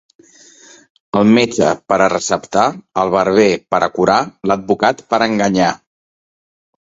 El metge per a receptar, el barber per a curar, l'advocat per a enganyar.